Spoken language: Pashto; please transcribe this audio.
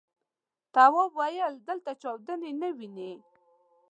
تواب وويل: دلته چاودنې نه وینې.